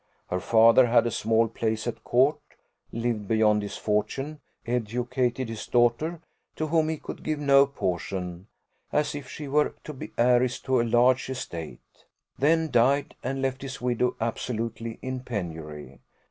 Her father had a small place at court, lived beyond his fortune, educated his daughter, to whom he could give no portion, as if she were to be heiress to a large estate; then died, and left his widow absolutely in penury.